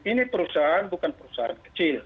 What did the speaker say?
ini perusahaan bukan perusahaan kecil